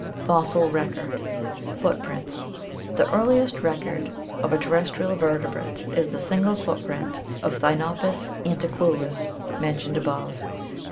Fossil Record Footprints.— The earliest record of a terrestrial vertebrate is the single footprint of Thinopus antiquus mentioned above.